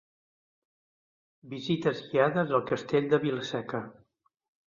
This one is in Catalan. Visites guiades al Castell de Vila-seca.